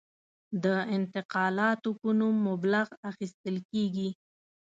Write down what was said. د انتقالاتو په نوم مبلغ اخیستل کېږي.